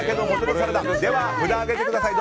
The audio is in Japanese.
では、札を上げてください。